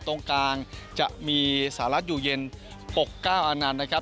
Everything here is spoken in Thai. ตรงกลางจะมีสหรัฐอยู่เย็นปกเก้าอนันต์นะครับ